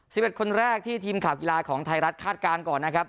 สิบเอ็ดคนแรกที่ทีมข่าวกีฬาของไทยรัฐคาดการณ์ก่อนนะครับ